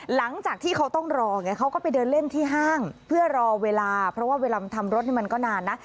หลังจากที่เขาต้องรอไงเขาก็ไปเดินเล่นที่ห้างเพื่อรอเวลาเพราะว่าเวลามันทำรถนี่มันก็นานนะ